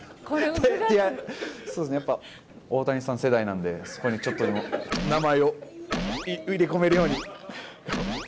そうですね、やっぱり、大谷さん世代なんで、そこにちょっとでも名前を入れ込めるように。